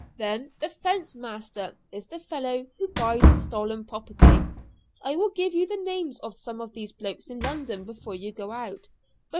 Then the 'fence master' is the fellow who buys stolen property. I will give you the names of some of these blokes in London before you go out.